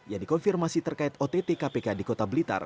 yang dikonfirmasi terkait ott kpk di kota blitar